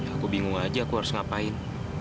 aku bingung aja aku harus ngapain